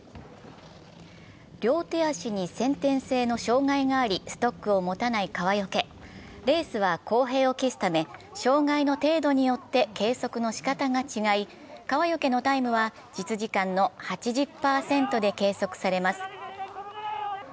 両手足に先天性の障害があり、ストックを持たない川除・レースは公平をきすため、障害の程度によって計測の仕方が違い、川除のタイムは実時間の８０％で計測されます。